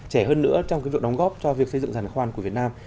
trẻ hơn nữa trong cái việc đóng góp cho việc xây dựng giàn khoan của việt nam